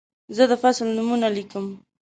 زه د فصل نومونه لیکم.